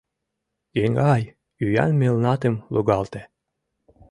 Еҥгай, ӱян мелнатым лугалте.